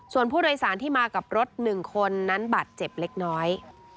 ส่วนผู้โดยสารที่มากับรถ๑คนนั้นบาดเจ็บเล็กน้อย